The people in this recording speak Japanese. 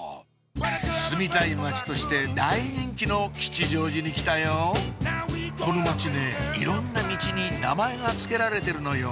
住みたい街として大人気の吉祥寺に来たよこの街ねいろんなミチに名前が付けられてるのよ